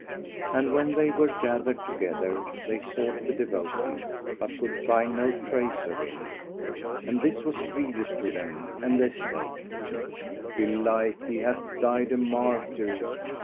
And when they were gathered together, they sought the devotee, but could find no trace of him; and this was grievous to them; and they said, "Belike, he hath died a martyr."